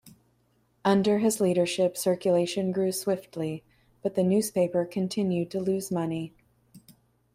Under his leadership circulation grew swiftly, but the newspaper continued to lose money.